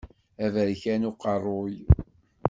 Aberkan uqerruy.